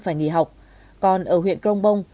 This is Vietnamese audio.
phải nghỉ học còn ở huyện krongpong